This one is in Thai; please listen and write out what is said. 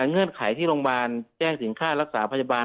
เงื่อนไขที่โรงพยาบาลแจ้งถึงค่ารักษาพยาบาล